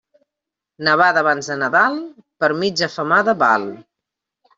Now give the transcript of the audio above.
Nevada abans de Nadal, per mitja femada val.